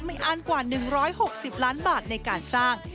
อ้านกว่า๑๖๐ล้านบาทในการสร้าง